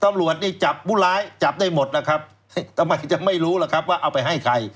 ตำรวจนี่จับผู้ร้ายจับได้หมดล่ะครับทำไมจะไม่รู้ล่ะครับว่าเอาไปให้ใคร